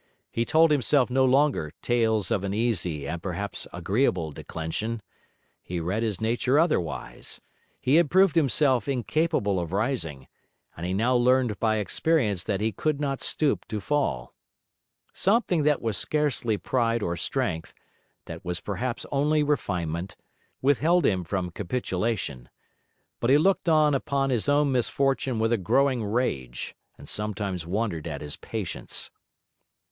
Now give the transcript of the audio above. He told himself no longer tales of an easy and perhaps agreeable declension; he read his nature otherwise; he had proved himself incapable of rising, and he now learned by experience that he could not stoop to fall. Something that was scarcely pride or strength, that was perhaps only refinement, withheld him from capitulation; but he looked on upon his own misfortune with a growing rage, and sometimes wondered at his patience.